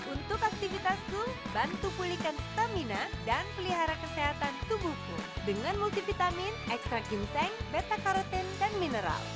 untuk aktivitasku bantu pulihkan stamina dan pelihara kesehatan tubuhku dengan multivitamin ekstrak ginseng beta karotin dan mineral